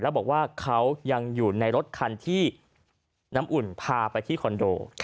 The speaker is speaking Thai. แล้วบอกว่าเขายังอยู่ในรถคันที่น้ำอุ่นพาไปที่คอนโด